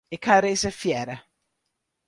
Ik ha reservearre.